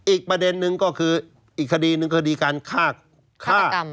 อีกประเด็นนึงก็คืออีกคดีหนึ่งคดีการฆ่ากรรม